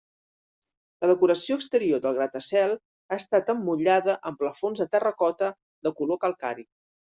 La decoració exterior del gratacel ha estat emmotllada en plafons de terracota de color calcari.